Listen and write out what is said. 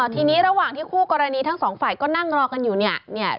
ทีนี้ระหว่างที่คู่กรณีทั้งสองฝ่ายก็นั่งรอกันอยู่เนี่ย